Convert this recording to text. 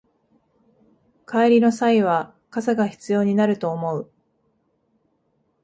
帰りの際は傘が必要になると思う